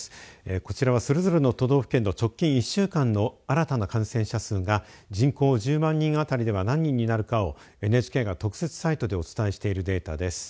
こちらはそれぞれの都道府県の直近１週間の新たな感染者数が人口１０万人当たりでは何人になるかをＮＨＫが特設サイトでお伝えしているデータです。